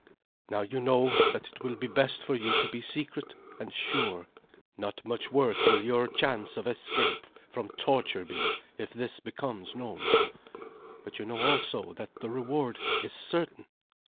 Now you know that it will be best for you to be secret and sure. Not much worth will your chance of escape from torture be if this becomes known. But you know also that the reward is certain."